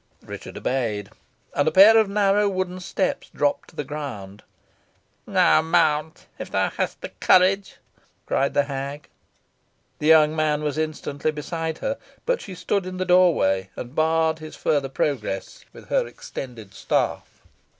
Richard obeyed, and a pair of narrow wooden steps dropped to the ground. "Now mount, if thou hast the courage," cried the hag. The young man was instantly beside her, but she stood in the doorway, and barred his further progress with her extended staff.